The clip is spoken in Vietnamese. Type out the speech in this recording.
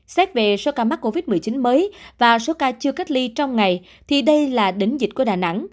xét về số ca mắc covid một mươi chín mới và số ca chưa cách ly trong ngày thì đây là đỉnh dịch của đà nẵng